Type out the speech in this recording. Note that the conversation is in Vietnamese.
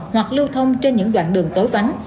hoặc lưu thông trên những đoạn đường tối vắng